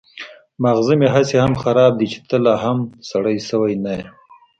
ماغزه مې هسې هم خراب دي چې ته لا هم سړی شوی نه يې.